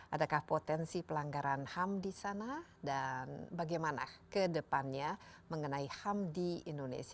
adakah potensi pelanggaran ham di sana dan bagaimana kedepannya mengenai ham di kpk